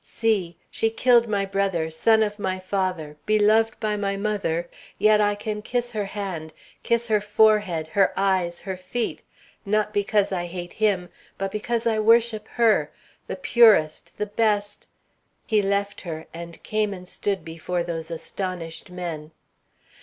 See! she killed my brother, son of my father, beloved by my mother, yet I can kiss her hand, kiss her forehead, her eyes, her feet, not because I hate him, but because I worship her, the purest the best " He left her, and came and stood before those astonished men.